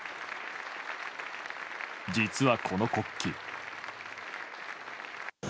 実は、この国旗。